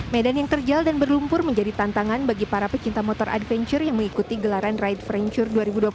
medan yang terjal dan berlumpur menjadi tantangan bagi para pecinta motor adventure yang mengikuti gelaran right franchure dua ribu dua puluh satu